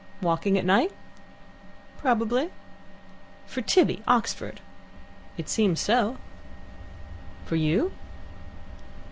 "Walking at night?" "Probably." "For Tibby, Oxford?" "It seems so." "For you?"